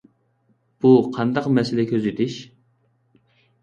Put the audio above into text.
بۇ قانداق مەسىلە كۆزىتىش؟